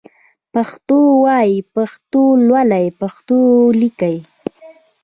پښتو وايئ ، پښتو لولئ ، پښتو ليکئ